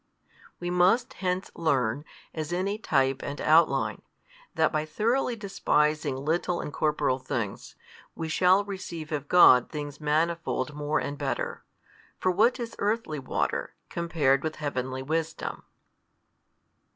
We must hence learn, as in a type and outline, that by thoroughly despising little and corporal things, we shall receive of God things manifold more and better. For what is earthly water, compared with Heavenly wisdom?